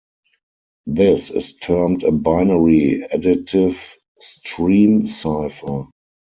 This is termed a binary additive stream cipher.